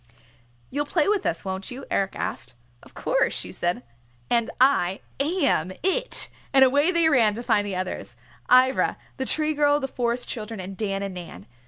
"You'll play with us, won't you?" Eric asked. "Of course," she said, "and I am It!" And away they ran to find the others, Ivra, the Tree Girl, the Forest Children, and Dan and Nan.